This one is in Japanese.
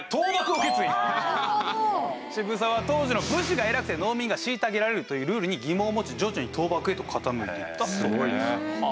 渋沢は当時の武士が偉くて農民が虐げられるというルールに疑問を持ち徐々に倒幕へと傾いていったそうです。